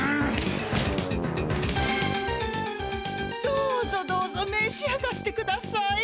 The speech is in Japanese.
どうぞどうぞめし上がってください。